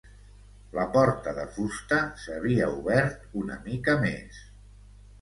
La porta de fusta s'havia obert una mica més.